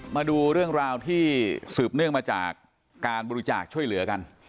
มาดูเรื่องราวที่สืบเนื่องมาจากการบริจาคช่วยเหลือกัน